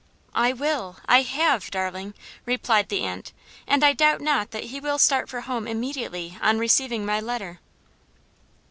"I will, I have, darling," replied the aunt; "and I doubt not that he will start for home immediately on receiving my letter."